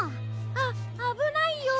ああぶないよ。